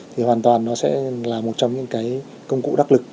thì hoàn toàn nó sẽ là một trong những cái công cụ đắc lực